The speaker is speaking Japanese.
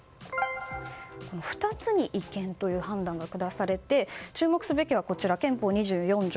２つに違憲という判断が下されて注目すべきは憲法２４条。